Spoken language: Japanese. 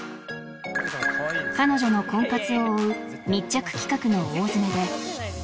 彼女の婚活を追う密着企画の大詰めで